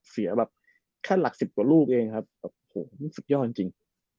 เสียแค่หลัก๑๐กว่าลูกเองโอ้โหนี่สุดยอดจริง